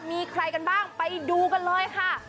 มีใครกันบ้างไปดูกันเลยค่ะ